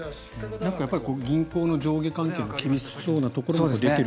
銀行の上下関係の厳しそうなところも出ている。